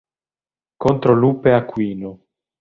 Contro Lupe Aquino.